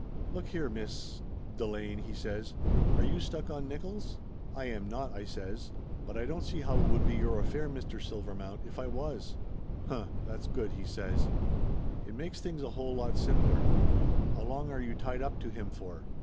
"Look here Miss Delane!" he says. "Are you stuck on Nickolls?" "I am not!" I says. "But I don't see how it would be your affair, Mr. Silvermount, if I was!" "Humph, that's good!" he says. "It makes things a whole lot simpler. How long are you tied up to him for?"